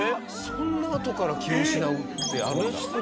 そんなあとから気を失うってあるんだ。